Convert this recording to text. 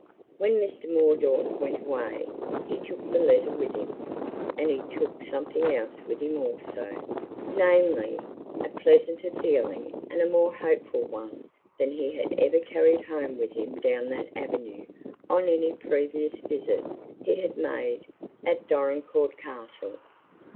When Mr. Mordaunt went away, he took the letter with him, and he took something else with him also namely, a pleasanter feeling and a more hopeful one than he had ever carried home with him down that avenue on any previous visit he had made at Dorincourt Castle.